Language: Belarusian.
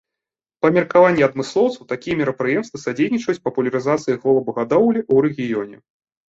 Па меркаванні адмыслоўцаў, такія мерапрыемствы садзейнічаюць папулярызацыі голубагадоўлі ў рэгіёне.